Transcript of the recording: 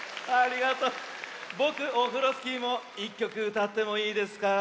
ぼくオフロスキーも１きょくうたってもいいですか？